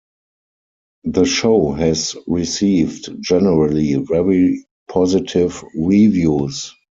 The show has received generally very positive reviews.